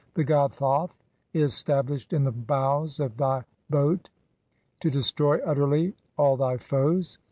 The god Thoth is stablished in the bows of thv "boat to destroy utterly all thy foes.